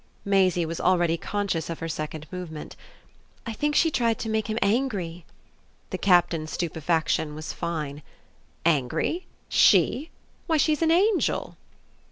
Maisie was already conscious of her second movement. "I think she tried to make him angry." The Captain's stupefaction was fine. "Angry SHE? Why she's an angel!"